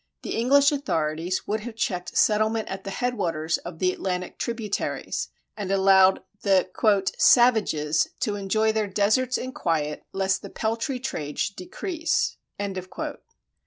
The English authorities would have checked settlement at the headwaters of the Atlantic tributaries and allowed the "savages to enjoy their deserts in quiet lest the peltry trade should decrease."